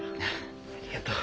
ありがとう。